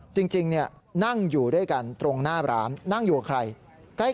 จริงนั่งอยู่ด้วยกันตรงหน้าร้านนั่งอยู่กับใคร